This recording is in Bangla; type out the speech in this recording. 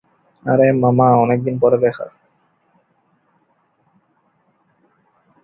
বিভিন্ন চলচ্চিত্রে তার বীরত্বের কাহিনী নিয়ে সঙ্গীত রচনা করা হয়েছে এবং তার নামে একটি ভাস্কর্য উন্মুক্ত করা হয়েছে।